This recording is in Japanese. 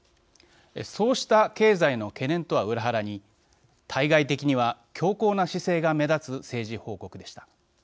そうした経済の懸念とは裏腹に、対外的には強硬な姿勢が目立つ政治報告でした。